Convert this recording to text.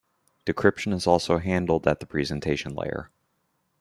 Decryption is also handled at the presentation layer.